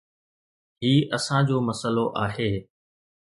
هي اسان جو مسئلو آهي.